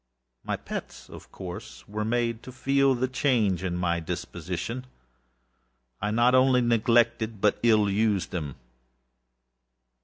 My pets, of course, were made to feel the change in my disposition. I not only neglected, but ill used them.